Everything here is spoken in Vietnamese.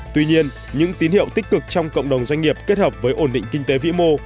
tuy nhiên những tín hiệu tích cực trong cộng đồng doanh nghiệp kết hợp với ổn định kinh tế vĩ mô